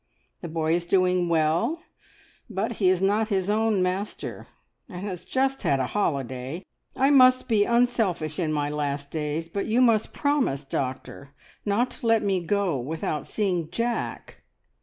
The boy is doing well, but he is not his own master, and has just had a holiday. I must be unselfish in my last days, but you must promise, doctor, not to let me go without seeing Jack!"